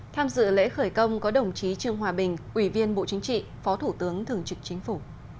tham dự lễ khởi công có đồng chí trương hòa bình ủy viên bộ chính trị phó thủ tướng thường trực chính phủ